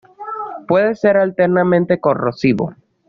Puede ser altamente corrosivo.